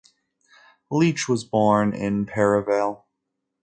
Leach was born in Perivale.